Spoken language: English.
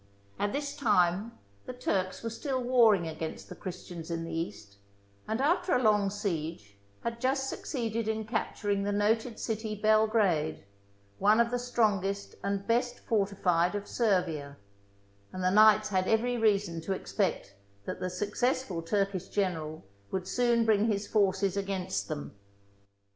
At this time the Turks were still warring against the Christians in the East, and, after a long siege, had just succeeded in capturing the noted city Belgrade, one of the strongest and best fortified of Servia, and the knights had every reason to expect that the suc cessful Turkish general would soon bring his forces against them.